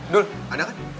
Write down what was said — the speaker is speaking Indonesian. dul ada kan